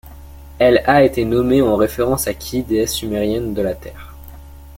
Elle a été nommée en référence à Ki, déesse sumérienne de la Terre.